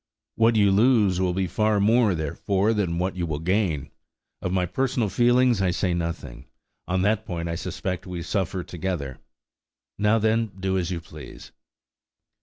What you lose will be far more, therefore, than what you will gain. Of my personal feelings I say nothing. On that point I suspect we suffer together. Now, then, do as you please."